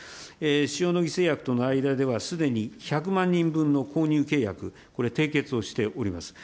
塩野義製薬との間では、すでに１００万人分の購入契約、これ、締結をしております。